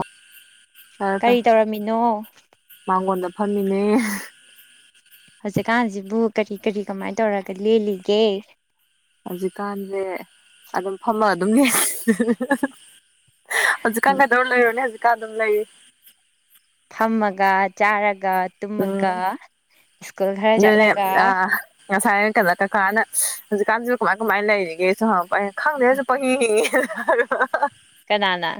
ꯑꯐ ꯐꯔꯦ ꯀꯔꯤ ꯐꯔꯦ ꯇꯧꯔꯝꯃꯤꯅꯣ ꯃꯥꯡꯒꯣꯟꯗ ꯐꯝꯃꯤꯅꯩꯌꯦ ꯍꯧꯖꯤꯀꯥꯟꯁꯤꯕꯨ ꯀꯔꯤ ꯀꯔꯤ ꯀꯃꯥꯏꯅ ꯇꯧꯔꯒ ꯂꯦꯜꯂꯤꯒꯦ ꯍꯧꯖꯤꯛꯀꯥꯟꯁꯦ ꯑꯗꯨꯝ ꯐꯝꯃ ꯑꯗꯨꯝ ꯂꯦꯜ ꯍꯧꯖꯤꯛꯀꯥꯟ ꯀꯩꯗꯧꯔ ꯂꯩꯔꯣꯅꯦ ꯍꯧꯖꯤꯛꯀꯥꯟ ꯑꯗꯨꯝ ꯂꯩꯔꯤ ꯊꯝꯃꯒ ꯆꯥꯔꯒ ꯎꯝ ꯇꯨꯝꯃꯒ ꯁ꯭ꯀꯨꯜ ꯈꯔ ꯑꯗꯨꯅꯦ ꯆꯠꯂꯒ ꯑ ꯉꯁꯥꯏ ꯀꯗ ꯀꯀꯥꯅ ꯍꯧꯖꯤꯛ ꯥꯆꯝꯁꯨ ꯀꯃꯥꯏ ꯀꯃꯥꯏꯅ ꯂꯩꯔꯤꯒꯦ ꯁꯨꯝ ꯍꯪꯉꯄ ꯑꯩꯅ ꯈꯪꯗꯦꯗ ꯁꯨꯝ ꯄꯪꯡꯍꯤꯡ ꯍꯤꯡꯏ ꯀꯅꯥꯅ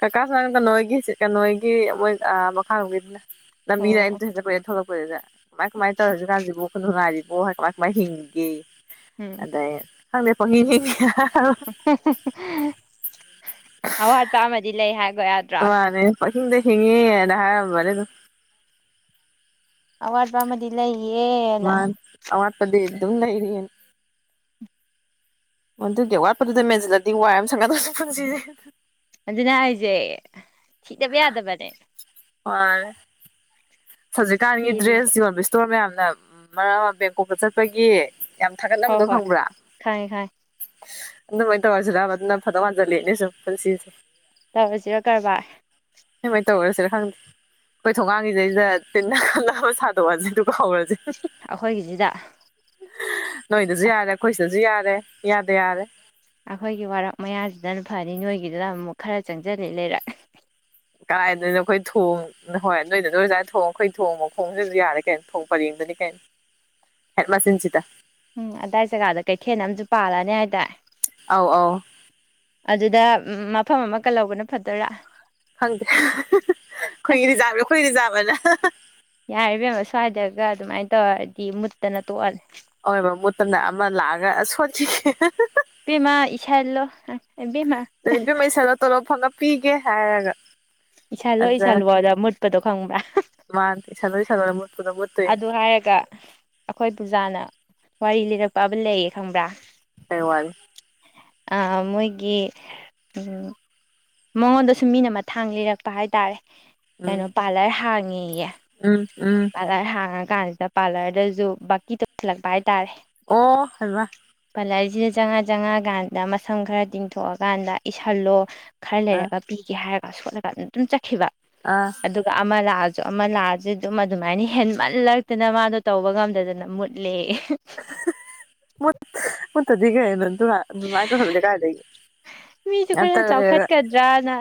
ꯀꯥꯀꯥ ꯁꯥꯅꯗ ꯅꯣꯏꯒꯤ ꯆꯠꯀ ꯅꯣꯏꯒꯤ ꯃꯣꯏ ꯑ ꯃꯈꯥꯔꯣꯝ ꯒꯤꯗꯨꯅ ꯂꯝꯕꯤꯗ ꯑꯩꯅ ꯑꯣ ꯇꯨꯁꯟ ꯆꯠꯄꯩ ꯊꯣꯛꯂꯛꯄꯗꯨꯗ ꯀꯃꯥꯏ ꯀꯃꯥꯏ ꯇꯧꯔ ꯍꯨꯖꯤꯛ ꯀꯥꯟꯁꯤꯕꯨ ꯁꯣꯝꯗ ꯉꯥꯏꯔꯤ ꯑꯣ ꯍ ꯀꯃꯥꯢ ꯀꯃꯥꯢ ꯍꯤꯡꯒꯦꯌꯦ ꯎꯝ ꯑꯗꯩ ꯈꯪꯗꯦ ꯄꯍꯤꯡ ꯍꯤꯡꯏ ꯑꯋꯥꯠꯄ ꯑꯃꯗꯤ ꯂꯩ ꯍꯥꯏ ꯑꯣ ꯑꯗ ꯄꯍꯤꯡꯗ ꯍꯤꯡꯉꯦꯅ ꯍꯦꯡꯔꯝꯕꯅꯦ ꯑꯗꯨꯝ ꯑꯋꯥꯠ ꯄ ꯑꯃꯗꯤ ꯂꯩ ꯃꯥꯅꯦ ꯑꯋꯥꯠꯄꯗꯤ ꯑꯗꯨꯝ ꯂꯩꯩꯔꯤꯌꯦꯟ ꯑꯣ ꯑꯗꯨꯗꯤ ꯑꯋꯥꯠꯄꯗꯨꯗ ꯃꯦꯟꯁꯤꯜꯂꯗꯤ ꯋꯥꯏ ꯑꯃ ꯁꯪꯒꯗꯕꯁꯨ ꯄꯨꯟꯁꯤꯁꯦ ꯑꯗꯨꯅꯦ ꯍꯥꯢꯁꯦ ꯈꯤꯇꯒ ꯌꯥꯗꯕꯅꯦ ꯃꯥꯅꯦ ꯍꯧꯖꯤꯛꯀꯥꯟꯒꯤ ꯊꯤꯔꯤꯁꯦ ꯗ꯭ꯔꯦꯁ ꯌꯣꯟꯕ ꯏꯁꯇꯣꯔ ꯃꯌꯥꯝꯅ ꯃꯔꯛ ꯑꯃ ꯕꯦꯡꯀꯣꯛꯇ ꯆꯠꯄꯒꯤ ꯌꯥꯝ ꯍꯣꯏ ꯊꯥꯒꯠꯅꯕꯗꯣ ꯍꯣꯏ ꯈꯪꯕ꯭ꯔꯥ ꯈꯪꯉꯦ ꯈꯪꯉꯦ ꯑꯗꯨꯃꯥꯏꯅ ꯇꯧꯔꯁꯤꯔꯥꯕ ꯑꯗꯨꯅ ꯐꯗꯧ ꯃꯥꯟꯁꯤꯜꯂꯛꯑꯅꯦꯁꯨ ꯄꯨꯟꯁꯤꯁꯦ ꯇꯧꯔꯁꯤꯔꯣ ꯀꯔꯕꯥꯔ ꯁꯨꯃꯥꯏꯅ ꯇꯧꯔꯁꯤꯔ ꯈꯪꯗꯦ ꯑꯩꯈꯣꯏ ꯊꯣꯡꯒꯥꯡꯒꯤꯗꯩꯗ ꯑꯈꯣꯢ ꯅꯥꯟꯅ ꯋꯥꯔꯤ ꯁꯥꯗꯣꯛꯑꯁꯤ ꯑꯗꯨꯒ ꯍꯧꯔꯁꯤ ꯑꯩꯈꯣꯏꯒꯤꯖꯤꯗ ꯅꯣꯏꯗꯁꯨ ꯌꯥꯔꯦ ꯑꯩꯈꯣꯏ ꯁꯤꯗꯁꯨ ꯌꯥꯔꯦ ꯏꯌꯥꯗ ꯌꯥꯔꯦ ꯑꯩꯈꯣꯏꯒꯤ ꯋꯥꯔꯛ ꯃꯌꯥꯁꯤꯗꯅ ꯐꯅꯤ ꯅꯣꯏꯒꯤꯗꯨꯅ ꯑꯃꯨꯛ ꯈꯔ ꯆꯪꯖꯜꯂꯦ ꯂꯩꯔꯛ ꯀꯥꯔꯥꯏꯗꯩꯅꯣ ꯑꯩꯈꯣꯏ ꯊꯣꯡ ꯍꯣꯏ ꯅꯣꯏꯗꯣ ꯅꯣꯏ ꯑꯗꯥꯏꯒꯤ ꯊꯣꯡ ꯑꯩꯈꯣꯏ ꯊꯣꯡ ꯃꯈꯣꯡꯁꯤꯗꯁꯨ ꯌꯥꯔꯦ ꯀꯩꯅ ꯊꯣꯡ ꯄꯔꯦꯡꯗꯨ ꯍꯦ ꯀꯩꯅꯣ ꯍꯦꯛ ꯃꯥꯆꯤꯟꯁꯤꯗ ꯎꯝ ꯑꯗꯥꯏ ꯖꯒꯥꯗ ꯀꯩꯊꯦꯟ ꯑꯃꯁꯨ ꯄꯥꯜꯂꯅꯦ ꯍꯥꯏꯗꯥꯏ ꯑꯧ ꯑꯧ ꯎꯝ ꯃꯐꯝ ꯑꯃ ꯀꯜꯂꯧꯕꯅ ꯐꯠꯗꯨꯏꯔꯥ ꯈꯪꯗꯦ ꯑꯩꯈꯣꯏꯒꯤ ꯔꯤꯖꯥꯕꯅꯦ ꯑꯩꯈꯣꯏ ꯔꯤꯖꯥꯕꯑꯅ ꯌꯥꯔꯦ ꯏꯕꯦꯝꯃ ꯁ꯭ꯋꯥꯏꯗꯒ ꯑꯗꯨꯃꯥꯏꯅ ꯇꯧꯔꯗꯤ ꯃꯨꯠꯇꯅ ꯇꯣꯛꯑꯅꯤ ꯍꯣꯏꯕ ꯃꯨꯠꯇꯅ ꯑꯃ ꯂꯥꯛꯑꯒ ꯁꯣꯠꯀꯦ ꯍꯥꯍꯥ ꯏꯕꯦꯝꯃ ꯏꯁꯜꯂꯣ ꯏꯕꯦꯝꯃ ꯇꯨꯔꯦꯟ ꯏꯕꯦꯝꯃ ꯏꯁꯜꯂꯣ ꯇꯣꯂꯣꯞ ꯐꯪꯉ ꯄꯤꯒꯦ ꯍꯥꯏꯔꯒ ꯏꯁꯜꯂꯣ ꯑꯗ ꯏꯁꯜꯂꯣꯗ ꯃꯨꯠꯄꯗꯣ ꯈꯪꯕ꯭ꯔꯥ ꯃꯥꯅ ꯏꯁꯜꯂꯣ ꯏꯁꯜꯂꯣꯅ ꯃꯨꯠꯄꯗꯣ ꯃꯨꯠꯇꯣꯏꯅꯤ ꯑꯗꯨ ꯍꯥꯏꯔꯒ ꯑꯩꯈꯣꯏ ꯄꯨꯖꯥꯅ ꯋꯥꯔꯤ ꯂꯤꯔꯛꯄ ꯑꯃ ꯂꯩꯌꯦ ꯈꯪꯕ꯭ꯔꯥ ꯀꯩ ꯋꯥꯔꯤ ꯑꯥ ꯃꯣꯏꯒꯤ ꯎꯝ ꯃꯉꯣꯟꯗꯁꯨꯨ ꯃꯤꯅ ꯃꯊꯥꯡ ꯂꯤꯔꯛꯄ ꯍꯥꯏꯇꯥꯔꯦ ꯀꯩꯅꯣ ꯎꯝ ꯄꯥꯔꯂ꯭ꯔ ꯍꯥꯡꯉꯦꯌꯦ ꯎꯝ ꯎꯝ ꯄꯥꯔꯂ꯭ꯔ ꯍꯥꯡꯉ ꯀꯥꯟꯁꯤꯗ ꯄꯥꯔꯂ꯭ꯔꯗꯁꯨ ꯕꯥꯀꯤ ꯇꯧꯁꯤꯜꯂꯛꯄ ꯍꯥꯏꯇꯥꯔꯦ ꯑꯣ ꯍꯩꯃ ꯂꯥꯏꯔꯤꯁꯤꯗ ꯆꯪꯉꯥ ꯆꯪꯉꯥꯀꯥꯟꯗ ꯃꯁꯝ ꯈꯔ ꯇꯤꯡꯊꯣꯛꯑꯀꯥꯟꯗ ꯏꯁꯜꯂꯣ ꯈꯔ ꯑꯥ ꯂꯩꯔꯒ ꯄꯤꯒꯦ ꯍꯥꯏꯔꯒ ꯁꯣꯠꯂꯒ ꯑꯗꯨꯝ ꯆꯠꯈꯤꯕ ꯑꯥ ꯑꯗꯨꯒ ꯑꯃ ꯂꯥꯛꯑ ꯁꯨ ꯑꯃ ꯂꯥꯛꯑꯁꯨ ꯑꯗꯨꯝ ꯑꯗꯨꯃꯥꯏꯅ ꯍꯦꯟꯃꯜꯂꯛꯇꯅ ꯃꯥꯗꯣ ꯇꯧꯕ ꯉꯝꯗꯗꯅ ꯃꯨꯠꯂꯦꯌꯦ [unintelligible] ꯄꯤꯒꯦ ꯅꯇꯋꯥ ꯑꯗꯨꯃꯥꯏ ꯇꯧꯍꯜꯂꯗꯤ ꯀꯥꯏꯗꯩ ꯃꯤꯁꯨ ꯌꯥꯝ ꯈꯔ ꯇꯜꯂꯦꯕ ꯆꯥꯎꯈꯠꯀꯗ꯭ꯔꯅ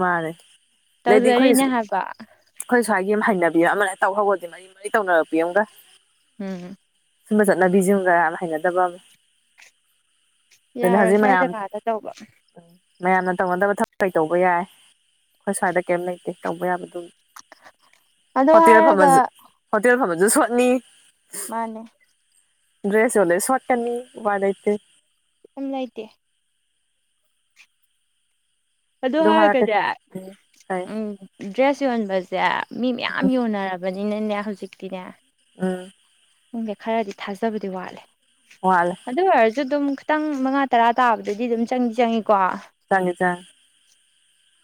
ꯃꯥꯅꯦ ꯑꯗꯩꯒꯤ ꯑꯩꯈꯣꯏ ꯇꯧꯖꯔꯤꯅꯦ ꯍꯥꯏꯕ ꯑꯩꯈꯣꯏ ꯁ꯭ꯋꯥꯏꯒꯤ ꯍꯩꯅꯕꯤ ꯑꯃ ꯑꯗꯨꯃꯥꯏꯅ ꯇꯧꯍꯧꯒ꯭ꯔꯗꯤ ꯃꯔꯤ ꯃꯔꯤ ꯇꯧꯅꯔꯛꯄꯤ ꯑꯃꯒ ꯎꯝ ꯁꯨꯝꯕ ꯆꯠꯅꯕꯤꯁꯤꯒ ꯍꯩꯅꯗꯕꯕꯨ ꯌꯥꯔꯣꯏ ꯁ꯭ꯋꯥꯏ ꯖꯒꯥꯗ ꯇꯧꯕ ꯃꯌꯥꯝꯅ ꯇꯧꯅꯗꯕ ꯊꯕꯛ ꯀꯩ ꯇꯧꯕ ꯌꯥꯏ ꯑꯩꯈꯣꯏ ꯁ꯭ꯋꯥꯏꯗ ꯀꯩꯝ ꯂꯩꯇꯦ ꯇꯧꯕ ꯌꯥꯕ ꯑꯗꯣ ꯍꯣꯇꯦꯜ ꯍꯥꯏꯔꯒ ꯐꯝꯃꯖꯨ ꯍꯣꯇꯦꯜ ꯐꯝꯃꯖꯨ ꯁꯣꯠꯅꯤ ꯃꯥꯅꯦ ꯗ꯭ꯔꯦꯁ ꯌꯣꯜꯂꯦ ꯁꯣꯠꯀꯅꯤ ꯎꯄꯥꯏ ꯂꯩꯇꯦ ꯍꯨꯝ ꯂꯩꯇꯦ ꯑꯗꯨ ꯍꯥꯏꯔꯛꯀꯦ ꯍꯥꯏꯔꯒꯅꯦ ꯎꯝ ꯐꯩ ꯎꯝ ꯗ꯭ꯔꯦꯁ ꯌꯣꯟꯕꯁꯦ ꯃꯤ ꯃꯌꯥꯝ ꯎꯝ ꯌꯣꯟꯅꯔꯕꯅꯤꯅꯅꯦ ꯍꯧꯖꯤꯛꯇꯤꯅꯦ ꯎꯝ ꯈꯪꯗꯦ ꯈꯔꯗꯤ ꯊꯥꯖꯕꯗꯤ ꯋꯥꯠꯂꯦ ꯋꯥꯠꯂꯦ ꯑꯗꯨ ꯑꯣꯏꯔꯁꯨ ꯑꯗꯨꯝ ꯈꯤꯇꯪ ꯃꯉꯥ ꯇꯔꯥ ꯇꯥꯕꯗꯨꯗꯤ ꯑꯗꯨꯝ ꯆꯪꯗꯤ ꯆꯪꯉꯤꯀꯣ [unintelligible]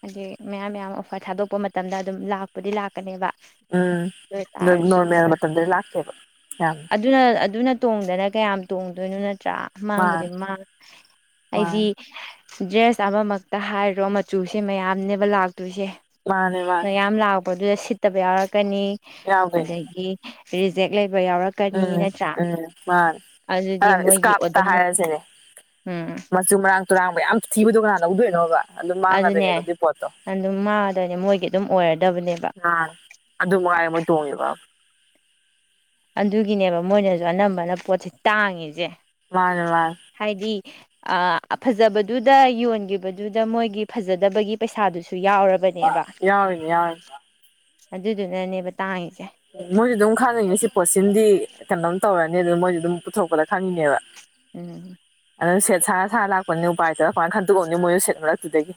ꯑꯩꯗꯤ ꯃꯌꯥꯝ ꯃꯌꯥꯝ ꯑꯣꯐꯔ ꯊꯥꯗꯣꯛꯄ ꯃꯇꯝꯗ ꯑꯗꯨꯝ ꯂꯥꯛꯄꯗꯤ ꯂꯥꯛꯀꯅꯦꯕ ꯎꯝ ꯑꯗꯨ ꯑꯣꯏꯇꯥꯔꯁꯨ ꯅꯣꯔꯃꯦꯜ ꯃꯇꯝꯗꯗꯤ ꯂꯥꯛꯇꯦꯕ ꯌꯥꯝ ꯑꯗꯨꯅ ꯑꯗꯨꯅ ꯇꯣꯡꯗꯅ ꯀꯌꯥꯝ ꯇꯣꯡꯗꯣꯏꯅꯣ ꯅꯠ ꯇ꯭ꯔꯥ ꯃꯥꯡꯕꯨꯗꯤ ꯃꯥꯅꯦ ꯃꯥꯡ ꯑꯩꯗꯤ ꯃꯥꯅꯦ ꯗ꯭ꯔꯦꯁ ꯑꯃꯃꯛꯇ ꯍꯥꯏꯔꯣ ꯃꯆꯨꯁꯦ ꯃꯌꯥꯝꯅꯦꯕ ꯂꯥꯛ ꯇꯨꯏꯁꯦ ꯃꯥꯅꯦ ꯃꯥꯅꯦ ꯃꯌꯥꯝ ꯂꯥꯛꯄꯗꯨꯗ ꯁꯤꯠꯇꯕ ꯌꯥꯎꯔꯛꯀꯅꯤ ꯌꯥꯎꯗꯣꯏꯅꯦ ꯑꯗꯒꯤ ꯔꯤꯖꯦꯛ ꯂꯩ ꯎꯝ ꯎꯝ ꯃꯥꯅꯤ ꯑꯗꯨꯗꯤ ꯃꯣꯏꯒꯤ ꯏꯁꯀꯥꯞꯇ ꯑꯗꯨꯝ ꯍꯥꯏꯔꯁꯤꯅꯦ ꯎꯝ ꯃꯆꯨ ꯃꯔꯥꯡ ꯇꯨꯔꯥꯡꯕ ꯌꯥꯝ ꯊꯤꯕꯗꯣ ꯀꯅꯥꯅꯣ ꯂꯧꯗꯣꯏꯅꯣꯕ ꯑꯗꯨ ꯑꯗꯨꯅꯦ ꯃꯥꯥꯡꯉꯗꯣꯏꯅꯦꯕ ꯑꯗꯨꯏꯄꯣꯠꯇꯣ ꯑꯗꯨꯝ ꯃꯥꯡꯉꯗꯣꯏꯅꯦ ꯃꯣꯏꯒꯤ ꯑꯗꯨꯝ ꯑꯣꯏꯔꯗꯕꯅꯦꯕ ꯍꯥ ꯑꯗꯨ ꯃꯥꯏ ꯑꯥꯃꯣꯏ ꯇꯣꯡꯉꯤꯕꯕꯨ ꯑꯗꯨꯒꯤꯅꯦꯕ ꯃꯣꯏꯅꯁꯨ ꯑꯅꯝꯕꯅ ꯄꯣꯠꯁꯦ ꯇꯥꯡꯉꯤꯁꯦ ꯃꯅꯦ ꯃꯅꯦ ꯑꯥ ꯐꯖꯕꯗꯨꯗ ꯌꯣꯟꯈꯤꯕꯗꯨꯗ ꯃꯣꯏꯒꯤ ꯐꯖꯗꯕꯒꯤ ꯄꯩꯁꯥꯗꯨꯁꯨ ꯁꯨ ꯌꯥꯎꯔꯕꯅꯦꯕ ꯌꯥꯎꯔꯤꯅꯤ ꯌꯥꯎꯔꯤꯅꯤ ꯑꯗꯨꯗꯨꯅꯅꯦꯕ ꯇꯥꯡꯉꯤꯁꯦ ꯃꯣꯏꯁꯨ ꯑꯗꯨꯝ ꯈꯪꯉꯤꯅꯦ ꯁꯤ ꯄꯣꯠꯁꯤꯃꯗꯤ ꯀꯩꯅꯣꯝ ꯇꯧꯔꯅꯤ ꯑꯗꯨ ꯃꯣꯏꯁꯨ ꯑꯗꯨꯝ ꯄꯨꯊꯣꯛꯄꯗ ꯈꯪꯉꯤꯅꯦꯕ ꯎꯝ ꯑꯗꯨ ꯁꯦꯠ ꯁꯥꯔ ꯁꯥꯔ ꯂꯥꯛꯄꯅꯤ ꯎꯄꯥꯏꯇꯔ ꯀꯃꯥꯏꯅ ꯈꯟꯗꯣꯛꯑꯅꯤ ꯃꯣꯏꯁꯨ ꯁꯦꯠ ꯃꯔꯛꯇꯨꯗꯒꯤ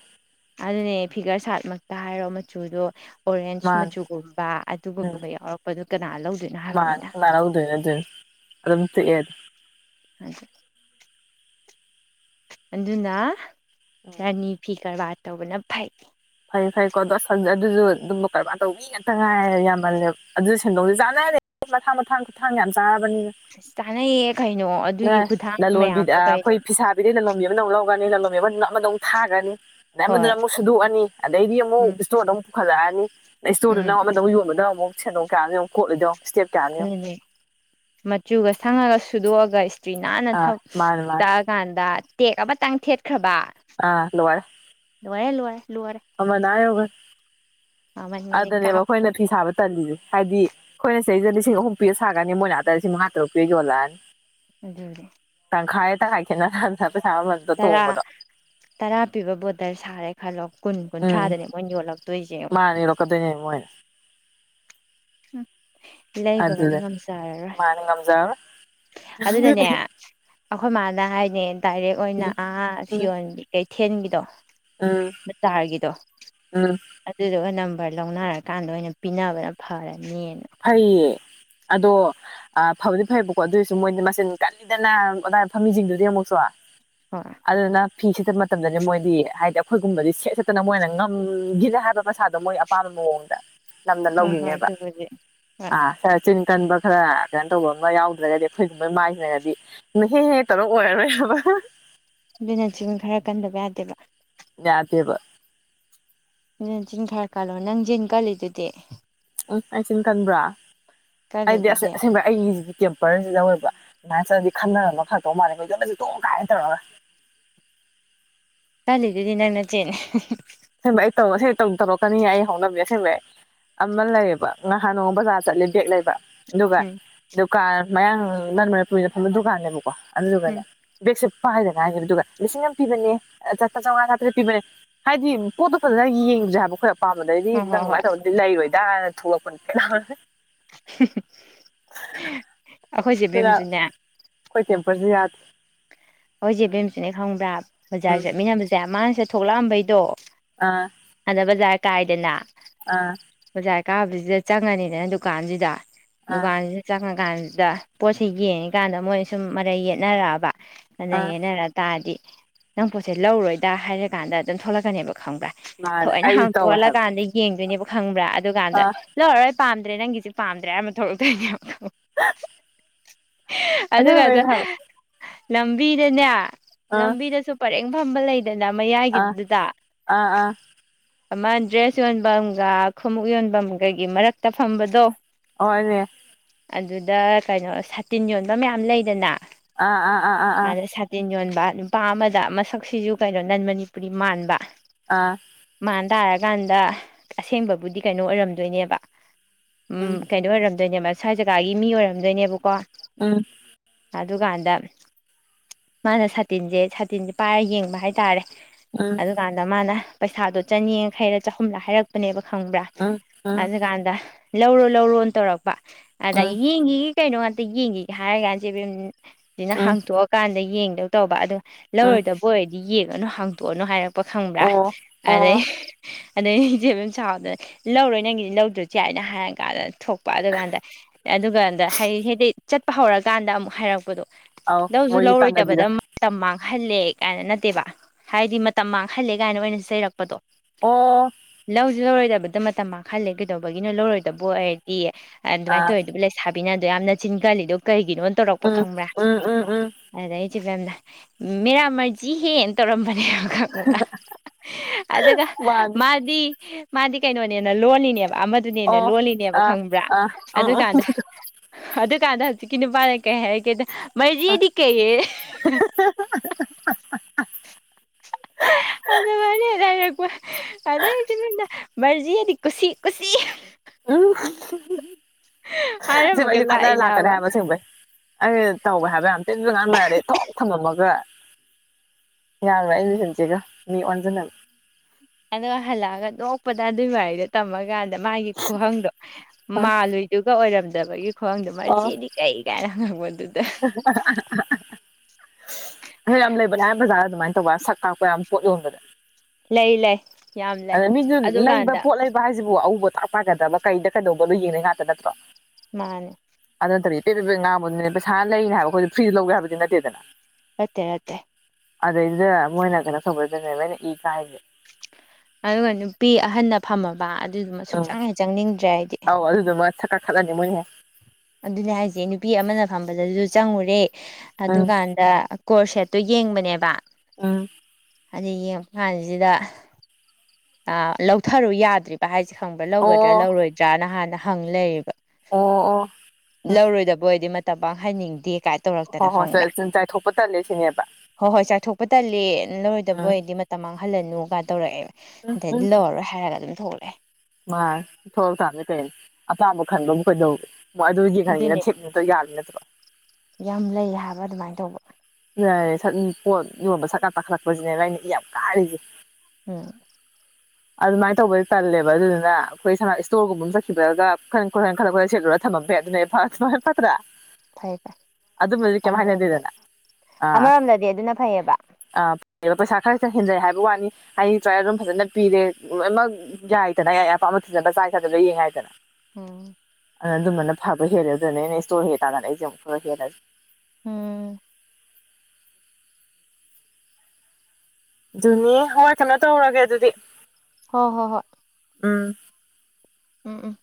ꯑꯗꯨꯅꯦ ꯐꯤꯒꯔ ꯁꯥꯔꯠ ꯃꯛꯇ ꯍꯥꯏꯔꯣ ꯃꯆꯨꯗꯣ ꯑꯣꯔꯦꯟꯁ ꯃꯥꯅꯦ ꯃꯆꯨꯒꯨꯝꯕ ꯑꯗꯨꯒꯨꯝꯕ ꯌꯥꯎꯔꯛꯄꯗꯨ ꯀꯅꯥ ꯂꯧ ꯃꯥ ꯃꯥꯅ ꯎꯗꯣꯏ ꯅꯠꯇꯦ ꯑꯗꯨꯝ ꯇꯣꯛꯑꯦ ꯑꯗꯨ ꯑꯗꯨꯅ ꯎꯝ ꯔꯥꯅꯤ ꯐꯤ ꯀꯔꯕꯥ ꯇꯧꯕꯅ ꯐꯩ ꯐꯩ ꯐꯩꯀꯣ ꯑꯣ ꯑꯗꯨꯁꯨ ꯑꯗꯨꯝꯕ ꯀꯔꯝꯕꯥꯔ ꯇꯧꯕꯤ ꯉꯇ ꯉꯥꯏꯔꯦ ꯌꯥꯝꯃꯜꯂꯦꯕ ꯑꯗꯨꯁꯨ ꯁꯦꯟꯗꯣꯡꯁꯨ ꯆꯥꯟꯅꯔꯦ ꯃꯊꯥꯡ ꯃꯊꯥꯡ ꯊꯥꯡ ꯌꯥꯝ ꯆꯥꯔ ꯆꯥꯅꯩꯌꯦ ꯀꯩꯅꯣ ꯕꯅꯤꯅ ꯑꯗꯨꯒꯤ ꯈꯨꯊꯥꯡ ꯂꯂꯣꯟꯕꯤ ꯃꯌꯥꯝꯗꯣ ꯀꯩꯅꯣ ꯑꯩꯈꯣꯏ ꯐꯤꯁꯥꯕꯤꯗꯩ ꯂꯂꯣꯟꯕꯤ ꯑꯃꯅ ꯑꯃꯨꯛ ꯂꯧ ꯅꯤ ꯂꯂꯣꯟ ꯑꯃ ꯑꯗꯨ ꯑꯃꯗ ꯑꯃꯨꯛ ꯊꯥꯒꯅꯤ ꯑꯗꯩ ꯍꯣꯏ ꯑꯃꯗꯨꯅ ꯑꯃꯨꯛ ꯁꯨꯗꯣꯛꯑꯅꯤ ꯑꯗꯩꯗꯤ ꯑꯃꯨꯛ ꯎꯝ ꯏꯁꯇꯣꯔꯗ ꯑꯃꯨ ꯄꯨꯈꯠꯂꯛꯑꯅꯤ ꯑꯗ ꯏꯁꯇꯣꯔꯗꯨꯅ ꯎꯝ ꯑꯃꯗ ꯑꯃꯨꯛ ꯌꯣꯟꯕꯗ ꯑꯃꯨꯛ ꯁꯦꯟꯗꯣꯡ ꯀꯌꯥꯅꯣ ꯌꯦꯡꯉꯨ ꯀꯣꯠꯂꯤꯗꯣ ꯏꯁꯇꯦꯞ ꯀꯌꯥꯅꯣ ꯌꯦꯡꯉꯨ ꯑꯗꯨꯅꯦ ꯃꯆꯨꯒ ꯁꯪꯉꯒ ꯁꯨꯗꯣꯛꯑꯒ ꯁꯇ꯭ꯔꯤ ꯅꯥꯟꯅ ꯑꯥ ꯃꯥꯅꯦ ꯃꯥꯅꯦ ꯇꯛꯑꯀꯥꯟꯗ ꯇꯦꯛ ꯑꯃꯇꯪ ꯊꯦꯠꯈ꯭ꯔꯕ ꯑꯥ ꯂꯣꯏꯔꯦ ꯂꯣꯏꯔꯦ ꯂꯣꯏꯔꯦ ꯂꯣꯏꯔꯦ ꯃꯃꯜ ꯑꯥ ꯌꯧꯒ꯭ꯔꯦ ꯃꯃꯟꯒꯗꯤ ꯑꯗꯨꯗꯅꯦꯕ ꯀꯥꯞꯈ꯭ꯔꯦ ꯑꯩꯈꯣꯏꯅ ꯐꯤ ꯁꯥꯕ ꯇꯜꯂꯤꯁꯦ ꯍꯥꯏꯗꯤ ꯑꯩꯈꯣꯏꯅ ꯁꯤꯗꯩꯗ ꯂꯤꯁꯤꯡ ꯑꯍꯨꯝ ꯄꯤꯔ ꯁꯥꯒꯅꯤ ꯃꯣꯏꯅ ꯑꯗꯥ ꯂꯤꯁꯤꯡ ꯃꯉꯥ ꯇꯔꯨꯛꯇ ꯄꯤ ꯌꯣꯜꯂꯛꯑꯅꯤ [unintelligible] [unintelligible] ꯇꯔꯥ ꯇꯣꯡꯕꯗꯣ ꯇꯔꯥ ꯄꯤꯕ ꯕꯣꯇꯜ ꯁꯥꯔꯦ ꯈꯜꯂꯣ ꯀꯨꯟ ꯎꯝ ꯀꯨꯟꯊ꯭ꯔꯥꯗꯅꯦ ꯃꯣꯏ ꯌꯣꯜꯂꯛꯇꯣꯏꯁꯦ ꯃꯥꯅ ꯌꯣꯜꯂꯛꯀꯗꯣꯏꯅꯦ ꯃꯣꯏꯅ ꯎꯝ ꯂꯩꯕꯒꯗꯤ ꯑꯗꯨꯗꯅꯤ ꯉꯝꯖꯔꯔꯣꯏ ꯃꯥꯅ ꯉꯝꯖꯔꯔꯣꯏ ꯑꯗꯨꯅꯅꯦ ꯑꯩꯈꯣꯏ ꯃꯥꯅ ꯍꯥꯏ ꯅꯦ ꯗꯥꯏꯔꯦꯛ ꯑꯣꯏꯅ ꯎꯝ ꯑꯥ ꯁꯤ ꯎꯝ ꯌꯣꯟꯕꯤ ꯀꯩꯊꯦꯜꯒꯤꯗꯣ ꯎꯝ ꯕꯖꯥꯔꯒꯤꯗꯣ ꯎꯝ ꯑꯗꯨꯗꯨꯒ ꯅꯝ ꯥꯍꯣꯏ ꯂꯧꯅꯔꯀꯥꯟꯗ ꯑꯣꯏꯅ ꯄꯤꯅꯕꯅ ꯐꯔꯦ ꯐꯩꯌꯦ ꯑꯗꯣ ꯐꯕꯗꯤ ꯐꯩꯌꯦꯕꯀꯣ ꯑꯗꯨ ꯑꯣꯏꯁꯨ ꯃꯣꯏꯗꯤ ꯃꯆꯤꯟ ꯀꯜꯂꯤꯗꯅ ꯑꯣꯗꯥꯥꯏ ꯐꯝꯃꯤꯁꯤꯡꯗꯨꯗꯤ ꯑꯃꯨꯛ ꯆꯨ ꯍꯣꯏ ꯑꯗꯨꯅ ꯐꯤ ꯁꯦꯠꯇꯄ ꯃꯇꯝꯗꯅꯤ ꯃꯣꯏꯗꯤ ꯍꯥꯏꯗꯤ ꯑꯩꯈꯣꯏꯒꯨꯝꯕꯗꯤ ꯁꯦꯠ ꯁꯠꯇꯅ ꯃꯣꯏꯅ ꯉꯝ ꯒꯤꯖ ꯍꯥꯏꯕ ꯄꯩꯁꯥꯗꯣ ꯃꯣꯏ ꯑꯄꯥꯝꯕ ꯃꯑꯣꯡꯗ ꯂꯝꯅ ꯍꯣꯏ ꯍꯣꯏ ꯂꯧꯈꯤꯅꯦꯕ ꯑꯗꯨꯕꯨꯗꯤ ꯍꯣꯏ [unintelligible] ꯇꯟꯕ ꯈꯔ ꯀꯩꯅꯣ ꯇꯧꯕ ꯑꯃ ꯌꯥꯎꯗ꯭ꯔꯒꯗꯤ ꯑꯩꯈꯣꯏꯁꯨ ꯃꯣꯏ ꯃꯥꯏꯁꯤ꯭ꯔꯒꯗꯤ ꯍꯦꯛ ꯍꯦꯛ ꯇꯧꯔ ꯑꯣꯏꯔꯔꯣꯏꯕ [unintelligible] ꯑꯗꯨꯅ ꯆꯤꯟ ꯈꯔ ꯀꯟꯗꯕ ꯌꯥꯗꯦꯕ ꯌꯥꯥꯇꯕ ꯅ ꯆꯤꯟ ꯈꯔ ꯀꯜꯂꯣ ꯅꯪ ꯆꯤꯟ ꯀꯜꯂꯤꯗꯨꯗꯤ ꯎꯝ ꯑꯩ ꯆꯤꯟ ꯀꯟꯕ꯭ꯔꯥ ꯑꯩꯗꯤ ꯑꯁ ꯀꯜꯂꯤꯗꯨꯗꯤ ꯑꯁꯦꯡꯕꯩ ꯑꯩꯒꯤꯁꯤꯗꯤ ꯇꯦꯝꯄꯔꯁꯤ ꯂꯧꯋꯦꯕ ꯑꯗꯨꯃꯥꯏꯅ ꯆꯠꯂꯗꯤ ꯈꯟꯅꯔꯝꯒ ꯐꯠꯇꯧ ꯃꯥꯜꯂꯦ ꯑꯩꯈꯣꯏ ꯆꯠꯂꯁꯨ ꯇꯣꯡ ꯀꯥꯏꯅ ꯇꯧꯔꯒ ꯀꯂꯤꯒꯤꯗꯤ ꯅꯪꯅ ꯆꯦ ꯑꯁꯦꯡꯕ ꯑꯩ ꯇꯧ ꯇꯝꯃꯛꯀꯅꯤ ꯑꯩ ꯍꯧꯅꯕꯤ ꯑꯁꯦꯡꯗꯝꯕꯩ ꯑꯃ ꯂꯩꯌꯦꯕ ꯉꯍꯥꯟ ꯅꯣꯡ ꯕꯖꯥꯔ ꯆꯠꯂꯦ ꯕꯦꯛ ꯂꯩꯕ ꯑꯗꯨꯒ ꯎꯝ ꯗꯨꯀꯥꯟ ꯃꯌꯥꯡ ꯅꯟꯃꯅꯤꯄꯨꯔꯤꯅ ꯐꯝꯕ ꯗꯨꯀꯥꯟꯅꯦꯕꯀꯣ ꯎꯝ ꯑꯗꯨꯗꯨꯒꯅꯦ ꯕꯦꯠꯁꯤꯠ ꯂꯄꯥ ꯍꯥꯏꯗꯅꯥꯏ ꯍꯥꯏꯅꯦ ꯑꯗꯨꯒ ꯂꯤꯁꯤꯡ ꯑꯃ ꯄꯤꯕꯅꯦ ꯆꯥꯝꯃꯉꯥꯥ ꯆꯇ꯭ꯔꯦꯠ ꯄꯤꯕꯅꯦ ꯍꯥꯏꯗꯤ ꯄꯣꯠꯇꯣ ꯐꯖꯅ ꯌꯦꯡꯗ꯭ꯔꯦ ꯍꯥꯏꯕ ꯈꯔ ꯄꯥꯝꯕꯗꯩꯗꯤ ꯍꯣꯏ ꯍꯣꯏ ꯅꯪ ꯍꯣꯏ ꯀꯃꯥꯏꯅ ꯇꯧꯔꯗꯤ ꯂꯩꯔꯣꯏꯗꯅ ꯊꯣꯛꯂꯛꯄꯅꯦ ꯑꯩꯈꯣꯏ ꯆꯦ ꯕꯦꯝ ꯖꯨꯅꯦ ꯇꯦꯄꯔꯁꯨ ꯌꯥꯗꯦ ꯍꯣꯏ ꯆꯦ ꯎꯝ ꯕꯦꯝꯁꯨꯅꯦ ꯈꯪꯕ꯭ꯔꯥ ꯕꯖꯥꯔ ꯎꯝ ꯆꯠꯃꯤꯟꯅꯕꯁꯦ ꯃꯥꯥ ꯁꯤ ꯊꯣꯛꯂꯛꯑꯝꯕꯩꯗꯣ ꯑꯥ ꯍꯥꯟꯅ ꯕꯖꯥꯔ ꯀꯥꯏꯗꯅ ꯑꯥ ꯕꯖꯥꯔ ꯀꯥꯕꯁꯤꯗ ꯆꯪꯉꯅꯤꯅ ꯗꯨꯀꯥꯟꯁꯤꯗ ꯑꯥ ꯗꯨꯀꯥꯟꯁꯤꯗ ꯆꯪꯉ ꯀꯥꯟꯗꯨꯗ ꯄꯣꯠꯁꯤ ꯌꯦꯡꯉꯀꯥꯟꯗ ꯃꯣꯏ ꯁꯨꯝ ꯃꯔꯩ ꯌꯦꯠꯅꯔꯛꯑꯕ ꯑꯥ ꯃꯔꯩ ꯌꯦꯠꯅꯔꯛ ꯇꯥꯗꯤ ꯅꯪ ꯄꯣꯠꯁꯦ ꯂꯧꯔꯣꯏꯗ ꯍꯥꯏꯔꯀꯥꯟꯗ ꯑꯗꯨꯝ ꯊꯣꯛꯂꯛꯀꯅꯦꯕ ꯈꯪꯕ꯭ꯔꯥ ꯃꯥꯅꯦ ꯊꯋꯣꯏꯅ ꯑꯩꯁꯨ ꯇꯧꯋꯦ ꯍꯥꯏꯕ ꯍꯥꯡꯇꯣꯛꯍꯜꯂꯀꯥꯟꯗ ꯌꯦꯡꯗꯣꯏꯅꯦꯕ ꯈꯪꯕ꯭ꯔꯥ ꯑꯗꯨꯀꯥꯟꯗ ꯑꯥ ꯂꯧꯔꯔꯣꯏ ꯄꯥꯝꯗ꯭ꯔꯦ ꯅꯪꯒꯤꯁꯦ ꯄꯥꯝꯗ꯭ꯔꯦ ꯍꯥꯏꯔꯝꯃ ꯊꯣꯛꯂꯛꯇꯣꯏꯅꯦꯕ [unintelligible] ꯑꯗꯨꯒꯗ [unintelligible] ꯂꯝꯕꯤꯗꯅꯦ ꯑꯥ ꯂꯝꯕꯤꯗꯁꯨ ꯄꯔꯦꯡ ꯐꯝꯕ ꯂꯩ ꯗꯅ ꯑꯥ ꯃꯌꯥꯏꯒꯤꯗꯨꯗ ꯑꯥ ꯑꯥ ꯑꯃꯥ ꯗ꯭ꯔꯦꯁ ꯌꯣꯟꯐꯝꯒ ꯈꯣꯡꯎꯞ ꯌꯣꯟꯐꯝꯒꯒꯤ ꯃꯔꯛꯇ ꯐꯝꯕꯗꯣ ꯍꯣꯏꯅꯦ ꯑꯗꯨꯗ ꯀꯩꯅꯣ ꯁꯥꯇꯤꯟ ꯌꯣꯟꯕ ꯃꯌꯥꯝ ꯂꯩꯗꯅ ꯑꯥ ꯑꯥ ꯑꯥ ꯑꯥ ꯑꯥ ꯑꯗ ꯁꯥꯇꯤꯟ ꯌꯣꯟꯕ ꯅꯨꯄꯥ ꯑꯃꯗ ꯃꯁꯛꯁꯤꯁꯨ ꯀꯩꯅꯣ ꯅꯟ ꯃꯅꯤꯄꯨꯔꯤ ꯃꯥꯟꯕ ꯑꯥ ꯃꯥꯟ ꯇꯥꯔꯀꯥꯟꯗ ꯑꯁꯦꯡꯕꯕꯨꯗꯤ ꯀꯩꯅꯣ ꯑꯣꯏꯔꯝꯗꯣꯏꯅꯦꯕ ꯎꯝ ꯀꯩꯅꯣ ꯑꯣꯏꯔꯝꯗꯣꯏꯅꯦꯕ ꯁ꯭ꯋꯥꯏ ꯖꯒꯥꯒꯤ ꯃꯤ ꯑꯣꯏꯔꯝꯗꯣꯏꯅꯦꯕꯀꯣ ꯎꯝ ꯑꯗꯨꯀꯥꯟꯗ ꯃꯥꯅ ꯁꯥꯇꯤꯟꯁꯦ ꯁꯥꯇꯤꯟꯁꯦ ꯄꯥꯏꯔ ꯌꯦꯡꯕ ꯍꯥꯏꯇꯥꯔꯦ ꯎꯝ ꯑꯗꯨꯀꯥꯟꯗ ꯃꯥꯅ ꯄꯩꯁꯥꯗꯣ ꯆꯅꯤꯈꯩꯔ ꯆꯍꯨꯝꯂ ꯍꯥꯏꯔꯛꯄꯅꯦꯕ ꯈꯪꯕ꯭ꯔꯥ ꯎꯝ ꯎꯝ ꯑꯗꯨꯀꯥꯟꯗ ꯂꯧꯔꯣ ꯂꯧꯔꯣꯅ ꯇꯧꯔꯛꯄ ꯑꯗ ꯎꯝ ꯌꯦꯡꯈꯤꯒ ꯀꯩꯅꯣ ꯉꯥꯛꯇ ꯌꯦꯡꯈꯤꯒ ꯍꯥꯏꯔ ꯆꯦ ꯕꯦꯝꯁꯤ ꯁꯤꯅ ꯎꯝ ꯍꯥꯡꯇꯣꯛꯑꯀꯥꯟꯗ ꯌꯦꯡꯗꯧ ꯇꯧꯕ ꯑꯗꯨ ꯎꯝ ꯂꯧꯔꯣꯏꯗꯕ ꯑꯣꯏꯔꯗꯤ ꯌꯦꯡꯉꯅꯨ ꯍꯥꯡꯇꯣꯛꯑꯅꯨ ꯍꯥꯏꯔꯛꯄ ꯄ ꯈꯪꯕ꯭ꯔꯥ ꯑꯣ ꯑꯗꯩ ꯑꯣ ꯑꯗꯩ ꯏꯆꯦ ꯕꯦꯝ ꯁꯥꯎꯗꯅ ꯂꯧꯔꯣꯏ ꯅꯪꯒꯤꯗꯤ ꯂꯧꯗ꯭ꯔꯁꯨ ꯌꯥꯏꯅ ꯍꯥꯏꯔꯀꯥꯟꯗ ꯊꯣꯛꯄ ꯑꯗꯨꯀꯥꯟꯗ ꯑꯗꯨꯒꯥꯟꯗ ꯍꯥꯏꯗꯤ ꯍꯥꯏꯗꯤ ꯆꯠꯄ ꯍꯧꯔꯀꯥꯟꯗ ꯑꯃꯨꯛ ꯍꯥꯏꯔꯛꯄꯗꯣ ꯑꯥꯎ ꯂꯧꯁꯨ ꯃꯣꯏꯒꯤ ꯂꯧꯔꯣꯏꯗꯕꯗ ꯇꯥꯟꯅꯕꯤꯗꯣ ꯃꯇꯝ ꯃꯥꯡ ꯥꯍꯜꯂꯦ ꯀꯥꯏꯅ ꯅꯠꯇꯦꯕ ꯍꯥꯏꯗꯤ ꯃꯇꯝ ꯃꯥꯡꯍꯜꯂꯦ ꯀꯥꯏꯅ ꯑꯣꯏꯅ ꯆꯩꯔꯛꯄꯗꯣ ꯑꯣ ꯂꯧꯁꯨ ꯂꯧꯔꯣꯏꯗꯕꯗ ꯃꯇꯝ ꯃꯥꯥꯡꯍꯜꯂꯦ ꯀꯩꯗꯧꯕꯒꯤꯅꯣ ꯂꯧꯔꯣꯏꯗꯕ ꯑꯣꯏꯔꯗꯤ ꯑꯗꯨꯃꯥꯏꯅ ꯑꯥ ꯇꯧꯋꯤꯗꯣꯕꯨ ꯂꯩꯁꯥꯕꯤꯅ ꯑꯗꯨꯌꯥꯝꯅ ꯆꯤꯟ ꯀꯜꯂꯤꯗꯣ ꯀꯩ ꯒꯤꯅꯣ ꯇꯧꯔꯛꯄ ꯎꯝ ꯈꯪꯕ꯭ꯔ ꯎꯝ ꯎꯝ ꯎꯝ ꯑꯗꯨꯗꯩ ꯆꯦꯕꯦꯝꯅ ꯃꯦꯔꯥꯃꯔꯖꯤ ꯍꯦ ꯇꯧꯔꯝ [unintelligible] ꯈꯪꯕ꯭ꯔ ꯑꯗꯨꯒ ꯋꯥꯅꯤ ꯃꯥꯗꯤ ꯃꯥꯗꯤ ꯀꯩꯅꯣꯅꯦꯅ ꯂꯣꯜꯂꯤꯅꯦ ꯑꯃꯗꯨꯅꯦꯅ ꯑꯣ ꯂꯣꯜꯂꯤꯅꯦꯕ ꯑꯥ ꯈꯪꯕ꯭ꯔꯥ ꯑꯥ ꯑꯪ ꯑꯗꯨꯀꯥꯟꯗ ꯑꯗꯨꯀꯥꯟꯗ ꯍꯧꯖꯤꯛꯀꯤ ꯅꯨꯄꯥ ꯀꯩ ꯍꯥꯏꯔꯛꯀꯦꯗ ꯑꯪ ꯃꯩꯔꯤꯗꯤꯀꯩꯌꯦ ꯑꯗꯨꯃꯥꯏꯅ ꯍꯦꯛꯇ ꯃꯔꯖꯤ ꯍꯥꯏꯗꯤ ꯀꯨꯁꯤ ꯀꯨꯁꯤ ꯎ ꯑꯁꯦꯡꯕ ꯍꯥꯏꯔꯝꯃꯒ ꯑꯩꯁꯨ ꯈꯟꯅꯔ ꯂꯥꯛꯀꯅꯤ ꯂꯥꯛꯏꯅꯦꯕ ꯍꯥꯏꯕ ꯁꯦꯡꯕꯩ ꯑꯩ ꯇꯧꯒꯦ ꯍꯥꯏꯕ ꯌꯥꯝ ꯊꯤꯅꯁꯨ ꯉꯥꯟꯅꯔꯗꯤ ꯊꯣꯛ ꯊꯝꯃꯝꯃꯒ ꯌꯥꯔꯣꯏ ꯑꯩ ꯃꯤꯍꯨꯖꯤꯒ ꯃꯤ ꯑꯣꯟꯁꯤꯟꯅꯕ ꯑꯗꯨꯒ ꯍꯜꯂꯛꯑꯒ ꯅꯣꯛꯄꯗ ꯑꯗꯨꯏ ꯋꯥꯔꯤꯗꯣ ꯇꯝꯃꯀꯥꯟꯗ ꯃꯥꯒꯤ ꯈꯍꯪꯗꯣ ꯑ ꯃꯥꯜꯂꯨꯏꯗꯨꯒ ꯑꯣꯏꯔꯝꯗꯕꯒꯤ ꯈꯨꯡꯒꯪꯗꯣ ꯃꯔꯖꯤꯗꯤ ꯀꯩ ꯀꯥꯏꯅ ꯍꯪꯉꯛꯕꯗꯨ [unintelligible] ꯑꯗ ꯌꯥꯝ ꯂꯩꯕꯅꯦ ꯍꯥꯏ ꯕꯖꯥꯔꯗ ꯑꯗꯨꯃꯥꯏꯅ ꯇꯧꯕ ꯁꯛ ꯀꯥꯛꯄ ꯌꯥꯝ ꯄꯣꯠ ꯌꯣꯟꯕꯗ ꯂꯩ ꯂꯩ ꯌꯥꯝ ꯂꯩ ꯑꯗ ꯃꯤꯖꯨ ꯂꯩꯕ ꯑꯗꯨꯀꯥꯟꯗ ꯄꯣꯠ ꯂꯩꯕ ꯍꯥꯏꯁꯤꯕꯨ ꯑꯎꯕ ꯄꯥꯒꯗꯕ ꯀꯩꯗ ꯀꯩꯗꯧꯕꯗꯣ ꯂꯣꯏ ꯌꯦꯡꯅꯩ ꯉꯥꯛꯇ ꯅꯠꯇ꯭ꯔꯣ ꯃꯥꯅꯦ ꯑꯗꯨ ꯅꯠꯇꯗꯤ ꯄꯦ ꯄꯦ ꯉꯥꯡꯕꯗꯨꯅꯦ ꯄꯩꯁꯥ ꯂꯩꯅꯤ ꯍꯥꯏꯕ ꯑꯩꯈꯣꯏꯗꯨ ꯐ꯭ꯔꯤꯗ ꯂꯧꯒꯦ ꯍꯥꯏꯕꯗꯤ ꯅꯠꯇꯦꯗꯅ ꯔꯠꯇꯦ ꯔꯠꯇꯦ ꯑꯗꯧꯗꯨꯗ ꯃꯣꯏꯅ ꯀꯩꯅꯣ ꯇꯧꯕꯗꯨꯗꯅꯦ ꯑꯩꯅ ꯏ ꯀꯥꯔꯤꯖꯦ ꯑꯗꯨꯒ ꯅꯨꯄꯤ ꯑꯍꯟꯅ ꯐꯝꯃꯃꯤ ꯕꯥ ꯑꯗꯨꯗꯨꯃ ꯎꯝ ꯁꯨꯛꯆꯪꯍꯦ ꯆꯪꯅꯤꯡꯗ꯭ꯔꯦ ꯑꯩꯗꯤ ꯈꯠꯅꯅꯤ ꯃꯥꯏ ꯑꯍꯨꯝ ꯑꯗꯨꯅꯦ ꯍꯥꯏꯁꯦ ꯅꯨꯄꯤ ꯑꯃꯅ ꯐꯝꯕꯗꯁꯨ ꯆꯪꯉꯨꯔꯦ ꯎꯝ ꯑꯗꯨꯀꯥꯟꯗ ꯀꯣꯔ ꯁꯦꯠꯇꯣ ꯌꯦꯡꯕꯅꯦꯕ ꯑꯥ ꯍꯥꯏꯗꯤ ꯌꯦꯡꯉꯕꯀꯥꯟꯁꯤꯗ ꯂꯧꯊꯔꯨ ꯌꯥꯗ꯭ꯔꯤꯕ ꯍꯥꯏꯁꯤ ꯁꯤ ꯈꯪꯕ꯭ꯔꯥ ꯑꯣ ꯂꯧꯒꯗ꯭ꯔꯥ ꯂꯧꯔꯣꯏꯗ꯭ꯔꯅ ꯍꯥꯟꯅ ꯍꯪ ꯂꯩꯌꯦꯕ ꯑꯣ ꯑꯣ ꯎꯝ ꯂꯧꯔꯣꯏꯗꯕ ꯑꯣꯏꯗꯤ ꯃꯇꯝ ꯄꯥꯡꯍꯅꯤꯡꯗꯦ ꯀꯥꯏꯅ ꯇꯧꯔꯛꯇꯅ ꯍꯣꯏ ꯍꯣꯏ ꯈꯪꯕ꯭ꯔꯥ ꯆꯥꯏꯊꯣꯛꯄ ꯇꯜꯂꯦ ꯁꯤꯅꯦꯕ ꯍꯣꯏ ꯍꯣꯏ ꯆꯥꯛꯊꯣꯛꯄ ꯇꯜꯂꯤ ꯂꯧꯔꯣꯏꯗꯕ ꯎꯝ ꯑꯣꯏꯗꯤ ꯃꯇꯝ ꯃꯥꯡꯍ ꯍꯜꯂꯅꯨꯒ ꯇꯧꯔꯛꯑꯦꯕ ꯎꯝ ꯑꯗꯩꯗꯤ ꯎꯝ ꯂꯧꯔꯔꯣꯏ ꯍꯥꯏꯔꯒ ꯑꯗꯨꯝ ꯊꯣꯛꯂꯛꯑꯦ ꯃꯥ ꯊꯣꯛꯂꯛ ꯇꯥꯕꯅꯤ ꯀꯩ ꯑꯄꯥꯕ ꯈꯟꯕ ꯑꯃ ꯀꯩꯗꯧꯋꯦ ꯃꯣꯏ ꯑꯗꯨꯒꯤꯡ ꯈꯟꯒꯦꯅ ꯑꯗꯨꯅꯦ ꯊꯤꯞꯅꯤꯠꯇ ꯌꯥꯕ ꯅꯠꯇ꯭ꯔꯣ ꯌꯥꯝ ꯂꯩ ꯍꯥꯏꯕ ꯑꯗꯨꯃꯥꯏꯅ ꯇꯧꯕ ꯌꯔꯦ ꯁꯛ ꯄꯣꯠ ꯌꯣꯟꯕ ꯁꯛꯀꯥ ꯇꯥꯈꯠꯂꯛꯄꯁꯤꯅꯦ ꯂꯥꯏꯩꯅ ꯑꯩ ꯌꯥꯝ ꯀꯥꯔꯤꯁꯦ ꯎꯝ ꯑꯗꯨꯃꯥꯏꯅ ꯇꯧꯕꯩ ꯄꯜꯂꯦꯕ ꯑꯗꯨꯗꯨꯅ ꯑꯩꯈꯣꯏ ꯁ ꯏꯁꯇꯣꯔꯒꯨꯝꯕ ꯑꯃ ꯆꯠꯈꯤꯕꯔꯒ ꯈ ꯈꯠ ꯈꯠꯂ ꯈꯠꯂ ꯁꯠꯂꯨꯔ ꯊ ꯑꯗꯨꯅ ꯐꯠꯇ꯭ꯔꯥ ꯐꯩ ꯐꯩ ꯑꯗꯨꯝꯕꯗꯤ ꯀꯩ ꯑꯃꯔꯣꯝꯗ ꯍꯥꯏꯅꯗꯦꯗꯅ ꯑꯥ ꯑꯃꯔꯣꯝꯗꯗꯤ ꯑꯗꯨꯅ ꯐꯩꯌꯦꯕ ꯄꯩꯁꯥ ꯈꯔꯁꯤꯦ ꯍꯦꯟꯖꯩ ꯍꯥꯏꯕ ꯋꯥꯅꯤ ꯍꯥꯏꯗꯤ ꯇ꯭ꯔꯥꯏ ꯑꯗꯨꯝ ꯐꯖꯅ ꯄꯤꯔꯦ ꯂꯣꯏꯅꯃꯛ ꯌꯥꯏꯗꯅ ꯌꯥꯏ ꯑꯄꯥꯝꯕ ꯊꯤꯖꯟꯕ ꯆꯥꯏ ꯁꯥꯥꯗꯕ ꯌꯦꯡꯉꯦ ꯍꯥꯏꯗꯅ ꯎꯝ ꯑꯗꯨ ꯑꯗꯨꯝꯕꯅ ꯐꯕ ꯍꯦꯜꯂꯦ ꯑꯗꯨꯅꯦ ꯑꯩꯅ ꯏꯁꯇꯣꯔ ꯍꯦꯛ ꯇꯥꯔꯅ ꯑꯩꯁꯦ ꯑꯃꯨꯛ ꯈꯔ ꯍꯦꯜꯂꯁꯁꯤ ꯎꯝ ꯑꯗꯨꯅꯤ ꯍꯋꯥꯏ ꯀꯩꯅꯣ ꯇꯧꯔꯒꯦ ꯑꯗꯨꯗꯤ ꯍꯣꯏ ꯍꯣꯏ ꯍꯣꯏ ꯎꯝ ꯑ